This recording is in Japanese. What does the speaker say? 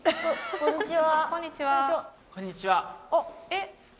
こんにちは。